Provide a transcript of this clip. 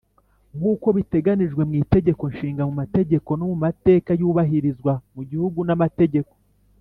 nk uko biteganijwe mu Itegeko Nshinga mu mategeko no mu mateka yubahirizwa mu gihugu n amategeko